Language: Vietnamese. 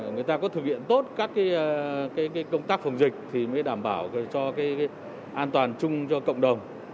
người ta có thực hiện tốt các công tác phòng dịch thì mới đảm bảo cho an toàn chung cho cộng đồng